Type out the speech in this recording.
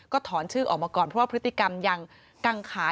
ถอนชื่อออกมาก่อนเพราะว่าพฤติกรรมยังกังขา